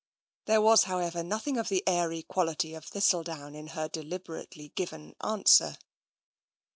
There was, however, nothing of the airy quality of thistledown in her deliberately given answer.